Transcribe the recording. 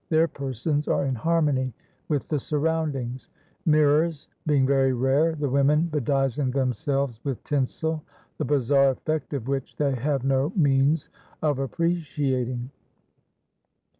Their persons are in harmony with the surroundings. Mirrors being very rare, the women bedizen themselves with tinsel, the bizarre effect of which they have no means of appreciating.